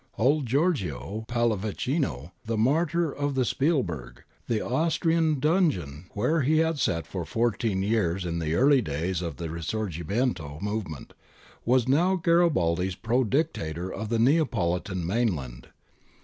Old Giorgio Pallavicino, 'the martyr of the Spielberg,' the Austrian dungeon where he had sat for fourteen years in the early days of the risorgimento movement, was now Gari baldi's Pro Dictator of the Neapolitan mainland.